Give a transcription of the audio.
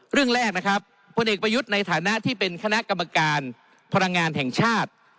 เรื่องแรกนะครับพลเอกประยุทธ์ในฐานะที่เป็นคณะกรรมการพลังงานแห่งชาติ